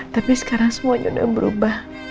tapi sekarang semuanya sudah berubah